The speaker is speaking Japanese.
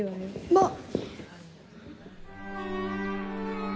まあ！